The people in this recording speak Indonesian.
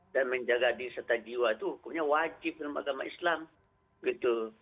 dan menjaga diri serta jiwa itu hukumnya wajib dalam agama islam gitu